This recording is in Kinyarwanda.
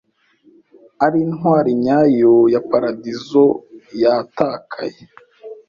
ari intwari nyayo ya paradizo yatakaye,